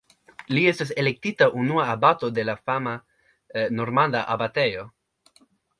Li estas elektita unua abato de la fama normanda abatejo.